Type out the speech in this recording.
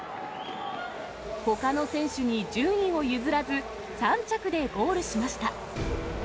ほかの選手に順位を譲らず、３着でゴールしました。